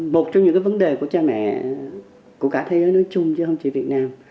một trong những vấn đề của cha mẹ của cả thế giới nói chung chứ không chỉ việt nam